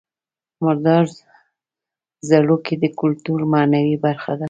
مردار ځړوکی د کولتور معنوي برخه ده